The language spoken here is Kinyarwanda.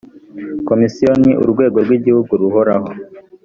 komisiyo ni urwego rw igihugu ruhoraho